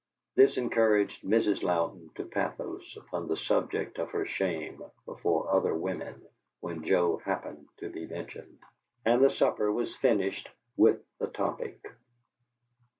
This encouraged Mrs. Louden to pathos upon the subject of her shame before other women when Joe happened to be mentioned, and the supper was finished with the topic.